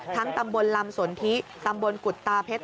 ตำบลลำสนทิตำบลกุฎตาเพชร